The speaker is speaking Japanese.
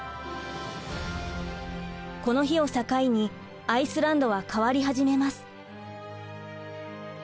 この日を境にアイスランドは変わり始めます。